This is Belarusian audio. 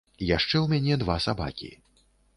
Яшчэ ў мяне два сабакі.